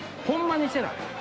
ほんまにしてない。